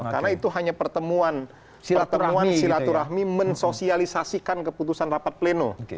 karena itu hanya pertemuan silaturahmi mensosialisasikan keputusan rampat pleno